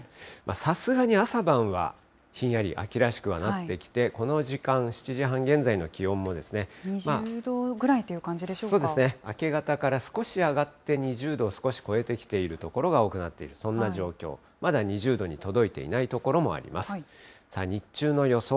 さすがに朝晩は、ひんやり秋らしくはなってきて、この時間、７時２０度ぐらいという感じでしそうですね、明け方から少し上がって２０度を少し超えてきている所が多くなっている、そんな状況、まだ２０度に届いていない所もあります。